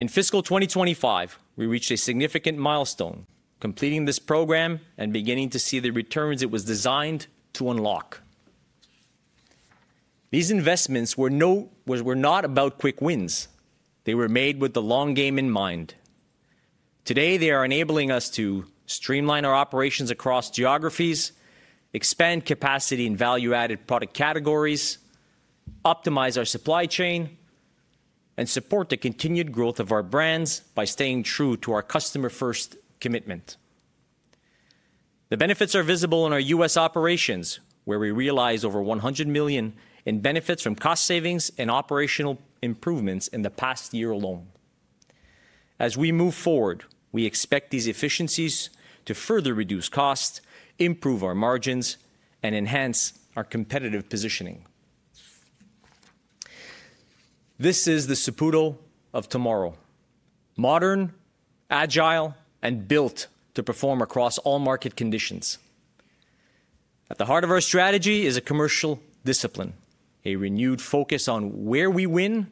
In fiscal twenty twenty five, we reached a significant milestone completing this program and beginning to see the returns it was designed to unlock. These investments were not about quick wins. They were made with the long game in mind. Today, they are enabling us to streamline our operations across geographies, expand capacity in value added product categories, optimize our supply chain and support the continued growth of our brands by staying true to our customer first commitment. The benefits are visible in our U. S. Operations where we realized over $100,000,000 in benefits from cost savings and operational improvements in the past year alone. As we move forward, we expect these efficiencies to further reduce costs, improve our margins and enhance our competitive positioning. This is the Saputo of tomorrow, modern, agile and built to perform across all market conditions. At the heart of our strategy is a commercial discipline, a renewed focus on where we win,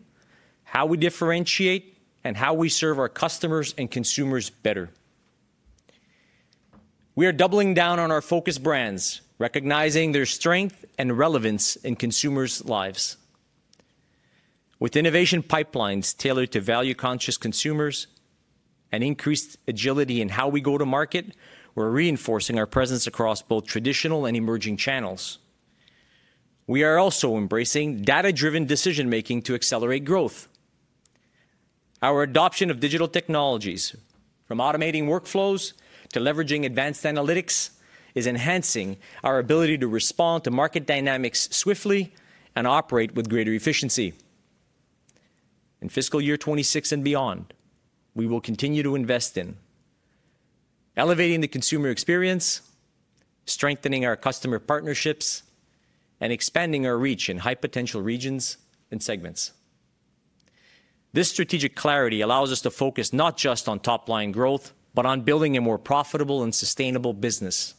how we differentiate and how we serve our customers and consumers better. We are doubling down on our focused brands recognizing their strength and relevance in consumers' lives. With innovation pipelines tailored to value conscious consumers and increased agility in how we go to market, we're reinforcing our presence across both traditional and emerging channels. We are also embracing data driven decision making to accelerate growth. Our adoption of digital technologies from automating workflows to leveraging advanced analytics is enhancing our ability to respond to market dynamics swiftly and operate with greater efficiency. In fiscal year twenty twenty six and beyond, we will continue to invest in elevating the consumer experience, strengthening our customer partnerships and expanding our reach in high potential regions and segments. This strategic clarity allows us to focus not just on top line growth, but on building a more profitable and sustainable business.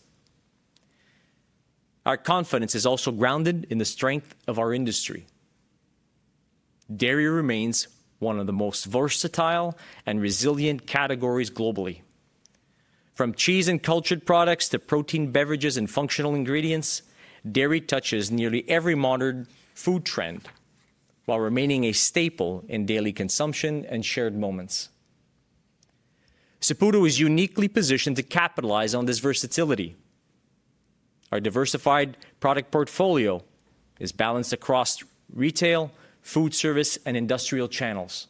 Our confidence is also grounded in the strength of our industry. Dairy remains one of the most versatile and resilient categories globally. From cheese and cultured products to protein beverages and functional ingredients, dairy touches nearly every modern food trend while remaining a staple in daily consumption and shared moments. Saputo is uniquely positioned to capitalize on this versatility. Our diversified product portfolio is balanced across retail, foodservice and industrial channels.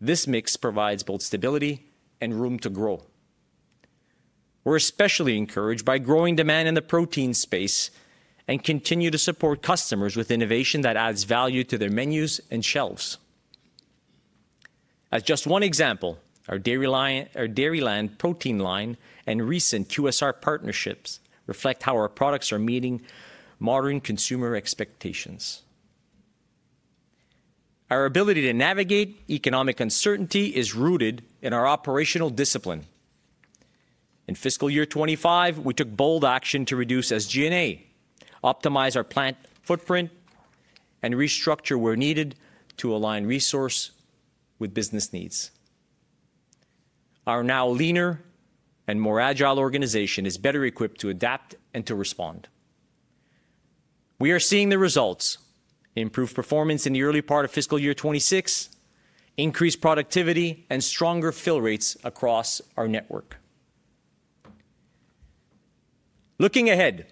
This mix provides both stability and room to grow. We're especially encouraged by growing demand in the protein space and continue to support customers with innovation that adds value to their menus and shelves. As just one example, our Dairyland protein line and recent QSR partnerships reflect how our products are meeting modern consumer expectations. Our ability to navigate economic uncertainty is rooted in our operational discipline. In fiscal year twenty twenty five, we took bold action to reduce SG and A, optimize our plant footprint and restructure where needed to align resource with business needs. Our now leaner and more agile organization is better equipped to adapt and to respond. We are seeing the results, improved performance in the early part of fiscal year twenty twenty six, increased productivity and stronger fill rates across our network. Looking ahead,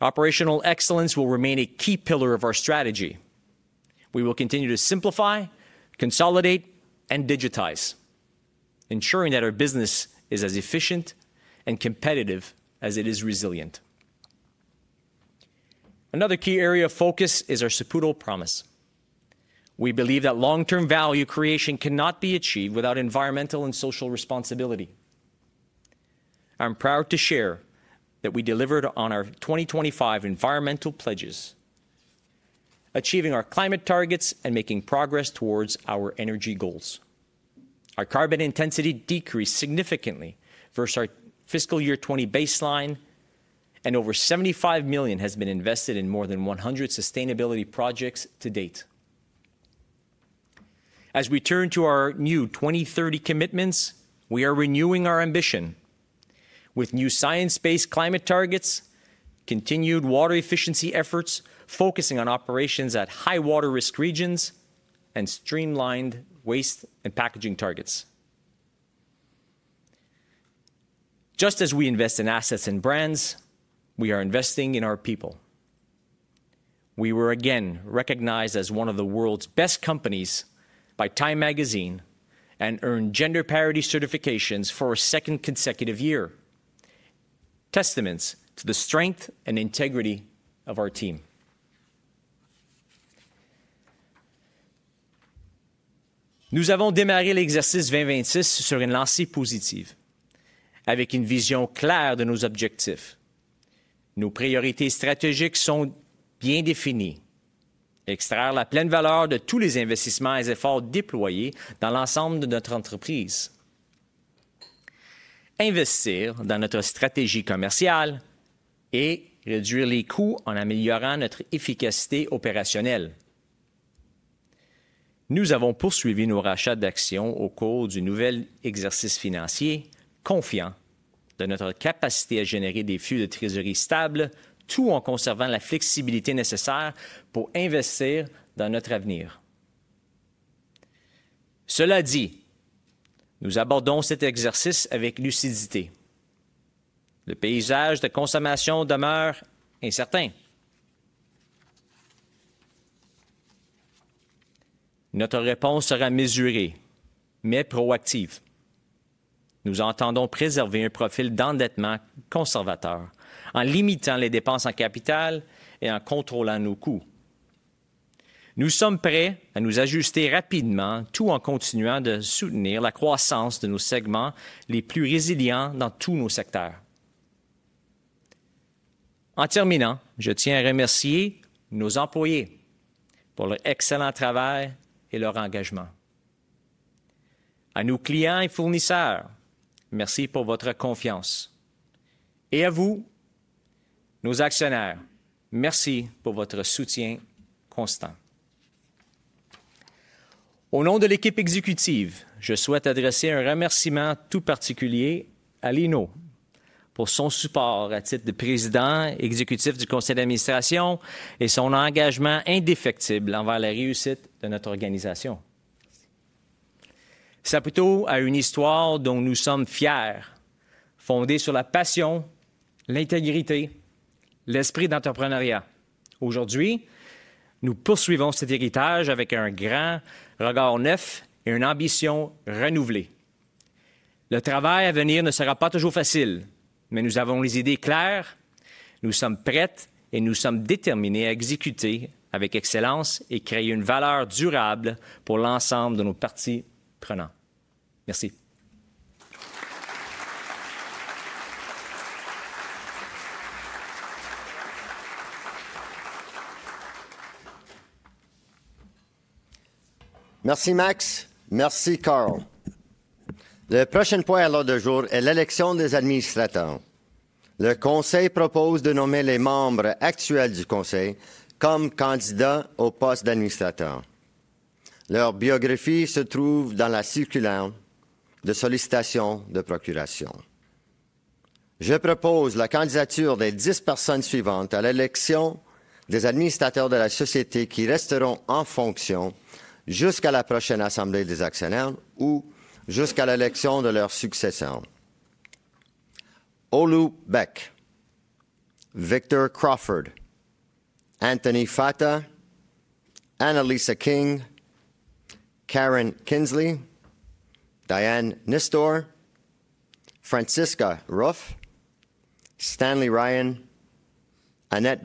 operational excellence will remain a key pillar of our strategy. We will continue to simplify, consolidate and digitize, ensuring that our business is as efficient and competitive as it is resilient. Another key area of focus is our Saputo promise. We believe that long term value creation cannot achieved without environmental and social responsibility. I'm proud to share that we delivered on our 2025 environmental pledges, achieving our climate targets and making progress towards our energy goals. Our carbon intensity decreased significantly versus our fiscal year twenty twenty baseline and over $75,000,000 has been invested in more than 100 sustainability projects to date. As we turn to our new 2,030 commitments, we are renewing our ambition with new science based climate targets, continued water efficiency efforts focusing on operations at high water risk regions and streamlined waste and packaging targets. Just as we invest in assets and brands, we are investing in our people. We were again recognized as one of the world's best companies by Time Magazine and earned gender parity certifications for a second consecutive year, testaments to the strength and integrity of our team. Olu Beck, Victor Crawford, Anthony Fata, Annalisa King, Karen Kinsley, Diane Nistor, Francisca Ruff, Stanley Ryan, Annette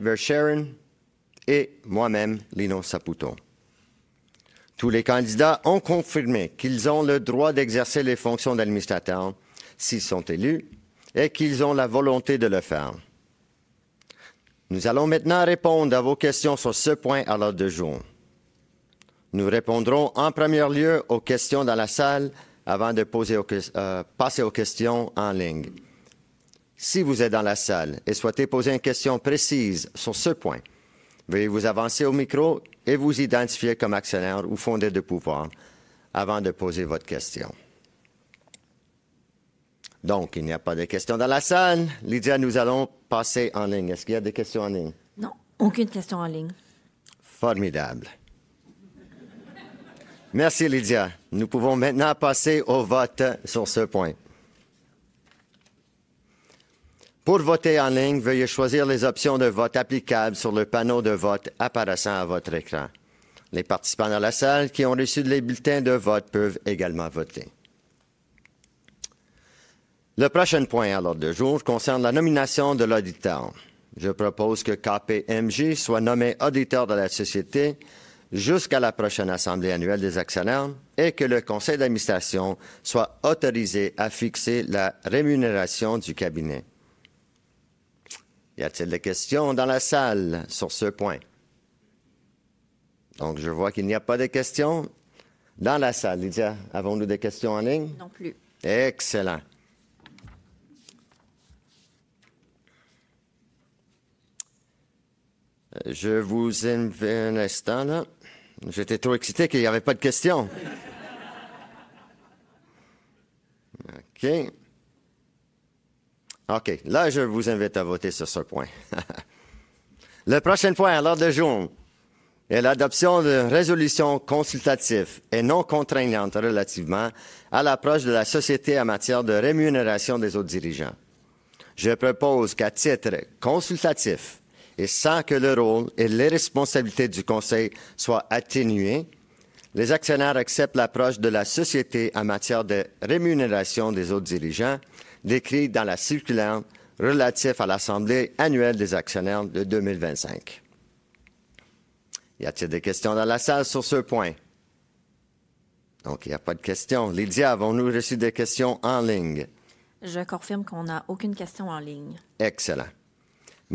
Vercheron,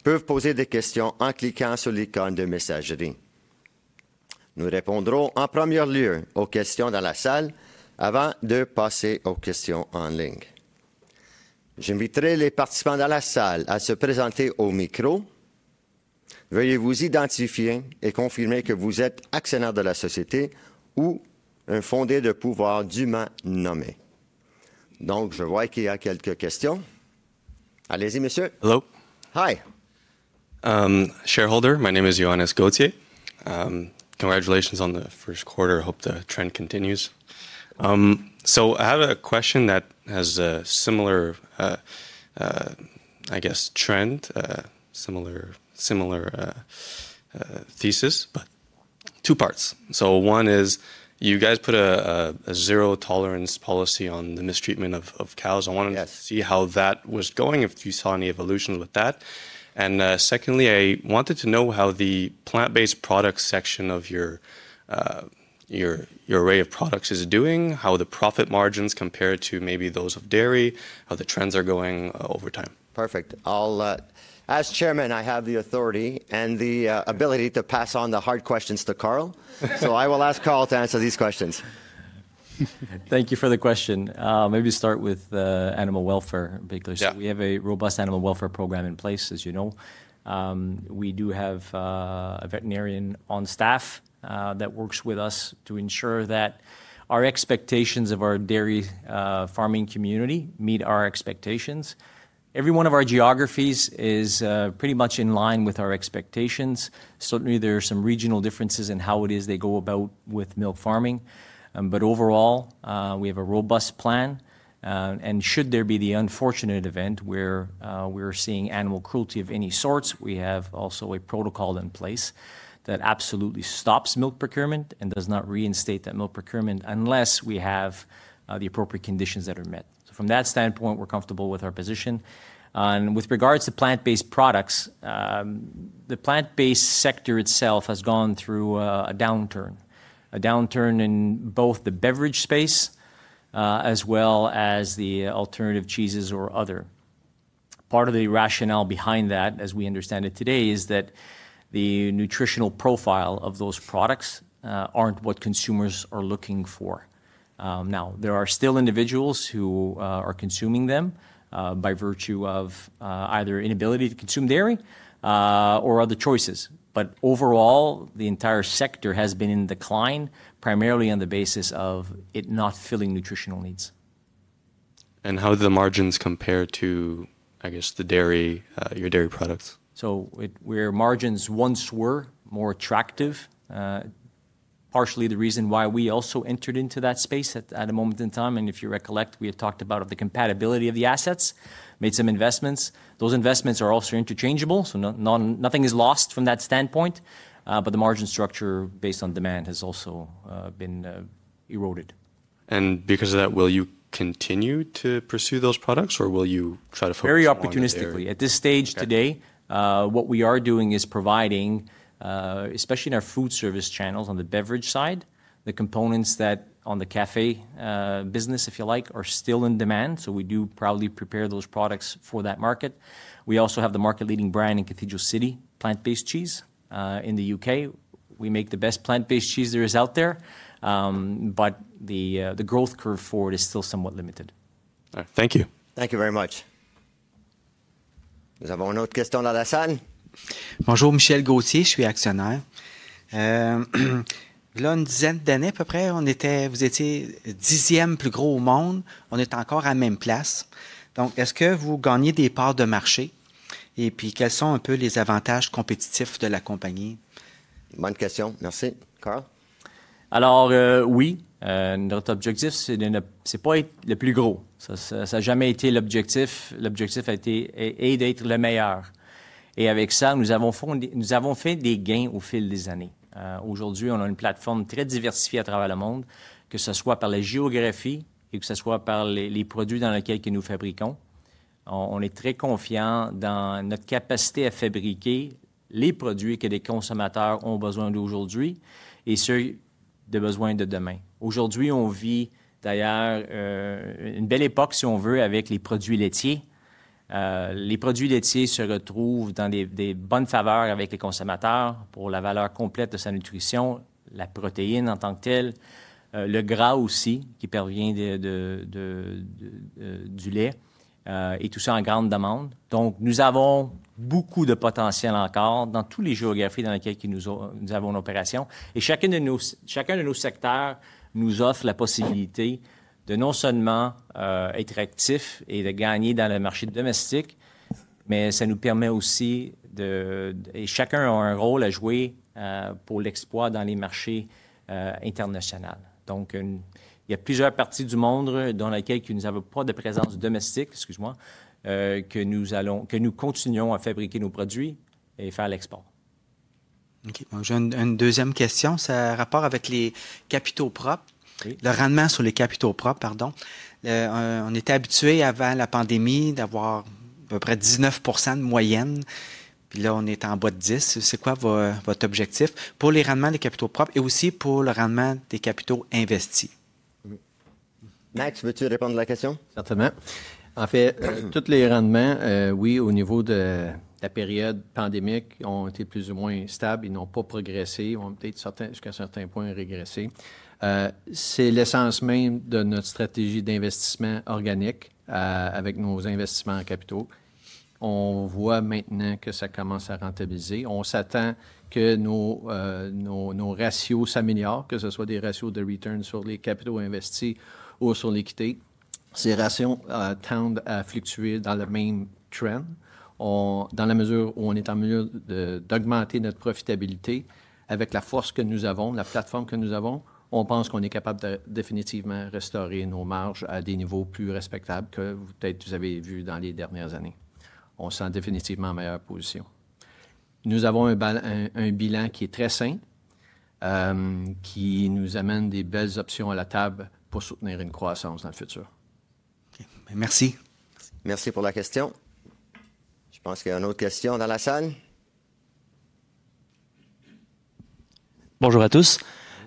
Hello. Hi. Shareholder, my name is Johannes Gaultier. Congratulations on the first quarter. Hope the trend continues. So I have a question that has a similar, I guess trend, similar thesis but two parts. So one is you guys put a zero tolerance policy on the mistreatment of cows. I wanted to see how that was going if you saw any evolution with that. And secondly, I wanted to know how the plant based products section of your array of products is doing, how the profit margins compared to maybe those of dairy, How the trends are going over time? Perfect. As Chairman, I have the authority and the ability to pass on the hard questions to Karl. So I will ask Karl to answer these questions. Thank you for the question. Maybe start with animal welfare because we have a robust animal welfare program in place, as you know. We do have a veterinarian on staff that works with us to ensure that our expectations of our dairy farming community meet our expectations. Every one of our geographies is pretty much in line with our expectations. Certainly, there are some regional differences in how it is they go about with milk farming. But overall, we have a robust plan. And should there be the unfortunate event where we're seeing animal cruelty of any sorts, we have also a protocol in place that absolutely stops milk procurement and does not reinstate that milk procurement unless we have the appropriate conditions that are met. From that standpoint, we're comfortable with our position. And with regards to plant based products, the plant based sector itself has gone through a downturn, a downturn in both the beverage space as well as the alternative cheeses or other. Part of the rationale behind that, as we understand it today, is that the nutritional profile of those products aren't what consumers are looking for. Now there are still individuals who are consuming them by virtue of either inability to consume dairy or other choices. But overall, the entire sector has been in decline primarily on the basis of it not filling nutritional needs. And how the margins compare to, I guess, the dairy your dairy products? So where margins once were more attractive, partially the reason why we also entered into that space at a moment in time. And if you recollect, we had talked about the compatibility of the assets, made some investments. Those investments are also interchangeable, so nothing is lost from that standpoint. But the margin structure based on demand has also been eroded. And because of that, will you continue to pursue those products? Or will you try to focus Very opportunistically. At this stage today, what we are doing is providing, especially in our foodservice channels on the beverage side, the components that on the cafe business, if you like, are still in demand. So we do proudly prepare those products for that market. We also have the market leading brand in Cathedral City, plant based cheese in The U. K. We make the best plant based cheese there is out there, but the growth curve forward is still somewhat limited. Thank you. Thank you very much.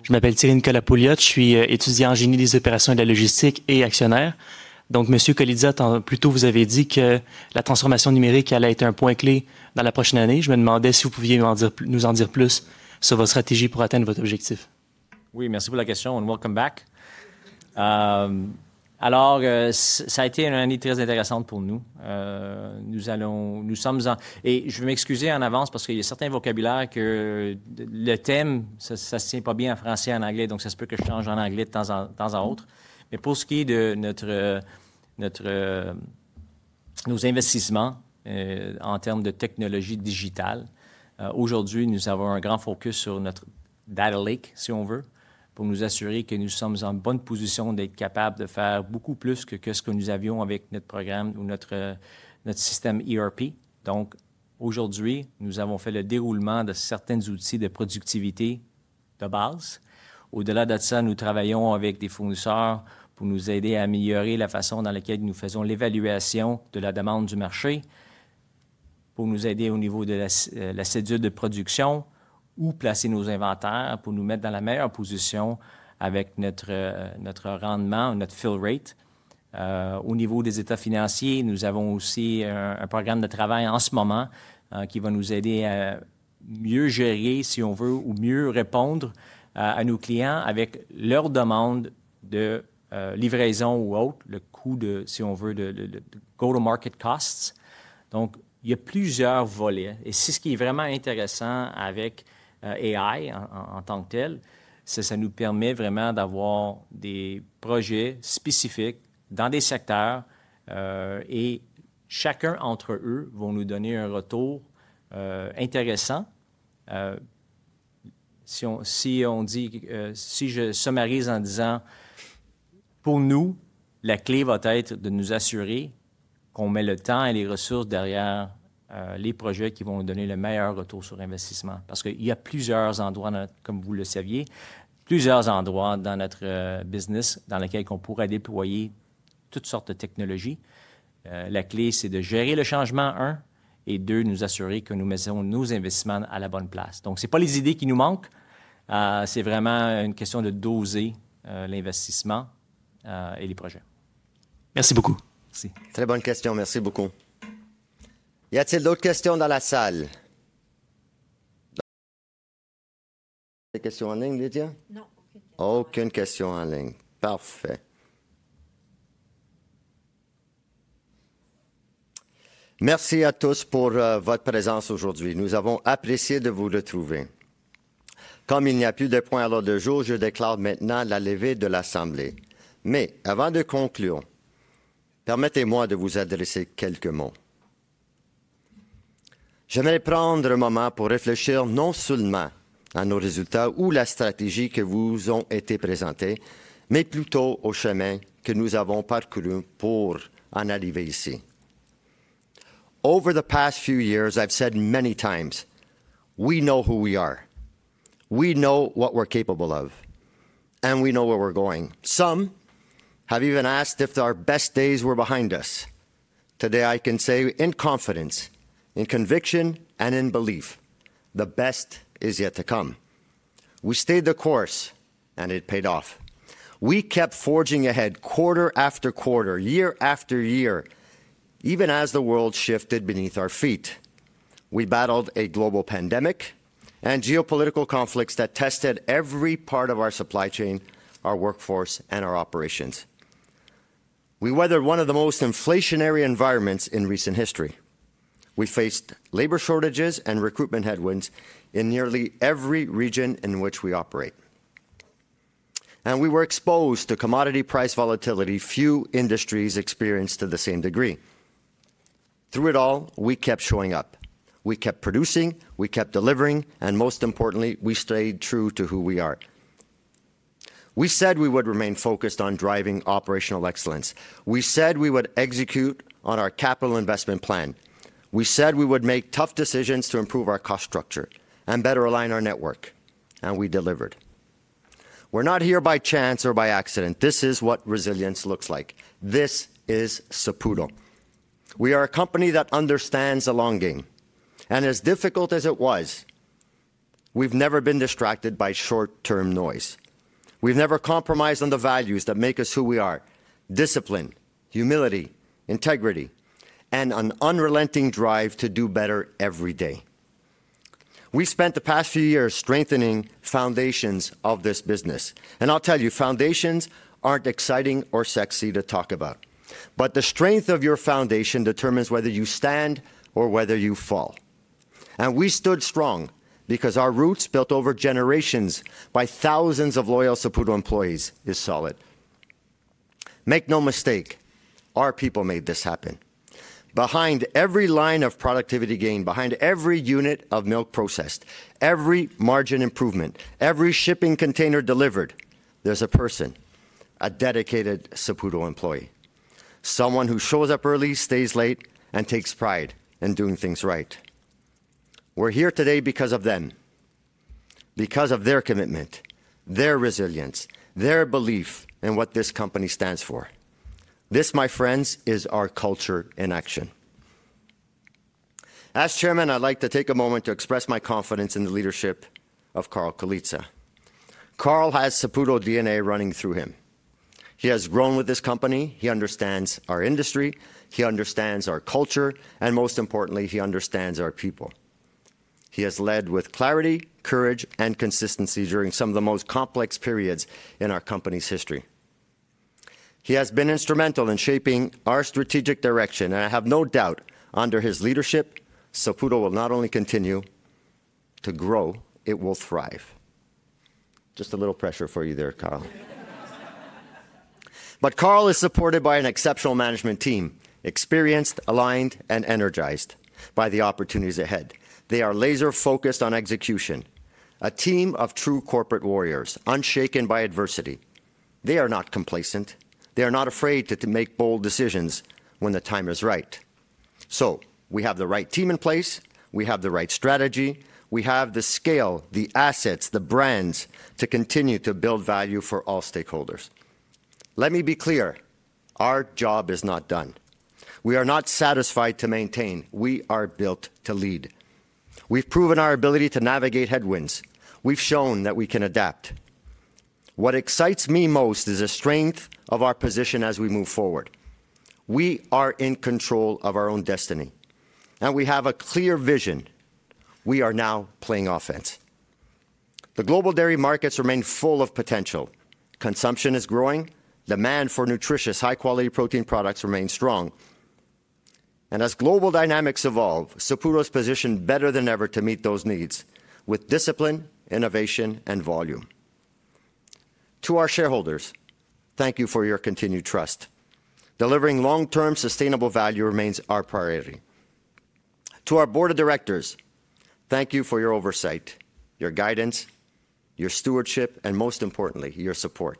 And welcome back. Go to market costs. Over the past few years, I've said many times, we know who we are. We know what we're capable of and we know where we're going. Some have even asked if our best days were behind us. Today, I can say in confidence, in conviction and in belief, the best is yet to come. We stayed the course and it paid off. We kept forging ahead quarter after quarter, year after year, even as the world shifted beneath our feet. We battled a global pandemic and geopolitical conflicts that tested every part of our supply chain, our workforce and our operations. We weathered one of the most inflationary environments in recent history. We faced labor shortages and recruitment headwinds in nearly every region in which we operate. And we were exposed to commodity price volatility few industries experienced to the same degree. Through it all, we kept showing up. We kept producing, we kept delivering and most importantly, we stayed true to who we are. We said we would remain focused on driving operational excellence. We said we would execute on our capital investment plan. We said we would make tough decisions to improve our cost structure and better align our network and we delivered. We're not here by chance or by accident. This is what resilience looks like. This is Saputo. We are a company that understands the long game. And as difficult as it was, we've never been distracted by short term noise. We've never compromised on the values that make us who we are, discipline, humility, integrity and an unrelenting drive to do better every day. We spent the past few years strengthening foundations of this business. And I'll tell you foundations aren't exciting or sexy to talk about. But the strength of your foundation determines whether you stand or whether you fall. And we stood strong because our roots built over generations by thousands of loyal Saputo employees is solid. Make no mistake, our people made this happen. Behind every line of productivity gain, behind every unit of milk processed, every margin improvement, every shipping container delivered, there's a person, a dedicated Saputo employee, someone who shows up early, stays late and takes pride in doing things right. We're here today because of them, because of their commitment, their resilience, their belief in what this company stands for. This, my friends, is our culture in action. As Chairman, I'd like to take a moment to express my confidence in the leadership of Karl Kolitsa. Karl has Saputo DNA running through him. He has grown with this company. He understands our industry. He understands our culture. And most importantly, he understands our people. He has led with clarity, courage and consistency during some of the most complex periods in our company's history. He has been instrumental in shaping our strategic direction and I have no doubt under his leadership, Saputo will not only continue to grow, it will thrive. Just a little pressure for you there, Karl. But Karl is supported by an exceptional management team, experienced, aligned and energized by the opportunities ahead. They are laser focused on execution, a team of true corporate warriors, unshaken by adversity. They are not complacent. They are not afraid to make bold decisions when the time is right. So we have the right team in place, we have the right strategy, we have the scale, the assets, the brands to continue to build value for all stakeholders. Let me be clear, our job is not done. We are not satisfied to maintain, we are built to lead. We've proven our ability to navigate headwinds. We've shown that we can adapt. What excites me most is the strength of our position as we move forward. We are in control of our own destiny and we have a clear vision. We are now playing offense. The global dairy markets remain full of potential. Consumption is growing, demand for nutritious high quality protein products remain strong. And as global dynamics evolve, Saputo is positioned better than ever to meet those needs with discipline, innovation and volume. To our shareholders, thank you for your continued trust. Delivering long term sustainable value remains our priority. To our Board of Directors, thank you for your oversight, your guidance, your stewardship and most importantly, your support.